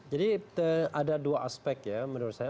jadi ada dua aspek ya menurut saya